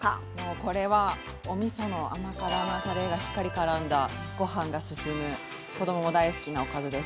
これはおみその味がしっかりからんだごはんが進む子どもが大好きなおかずです。